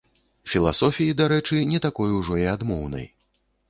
Філасофіі, дарэчы, не такой ужо і адмоўнай.